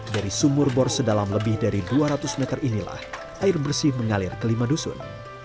dari sumur bor sedalam lebih dari dua ratus meter inilah air bersih mengalir ke lima dusun